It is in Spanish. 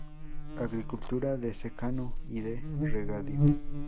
Agricultura de secano y de regadío.